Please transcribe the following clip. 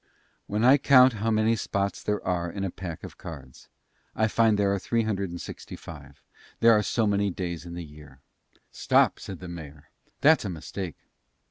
"When I count how many spots there are in a pack of cards, I find there are three hundred and sixty five, there are so many days in the year." "Stop," said the mayor, "that's a mistake."